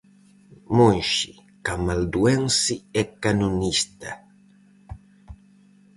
Monxe camalduense e canonista.